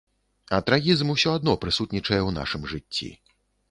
А трагізм усё адно прысутнічае ў нашым жыцці.